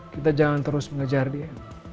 kita jangan terus mengejar dia